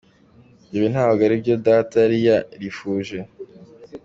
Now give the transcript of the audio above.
Ibi ntabwo ari byo data yari yarifuje.